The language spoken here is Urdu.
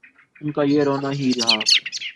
ان کا یہ رونا ہی رہا۔